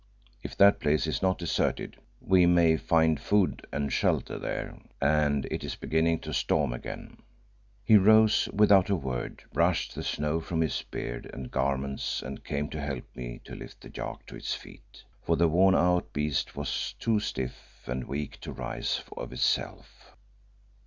If that place is not deserted, we may find food and shelter there, and it is beginning to storm again." He rose without a word, brushed the snow from his beard and garments and came to help me to lift the yak to its feet, for the worn out beast was too stiff and weak to rise of itself.